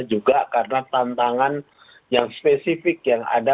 juga karena tantangan yang spesifiknya itu adalah